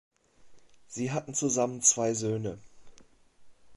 Sie hatten zusammen zwei Söhne.